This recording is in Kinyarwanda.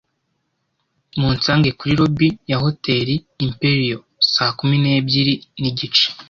Munsange kuri lobby ya Hotel Imperial saa kumi n'ebyiri n'igice.